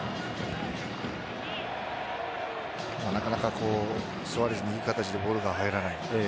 なかなかスアレスにいい形でボールが入らない。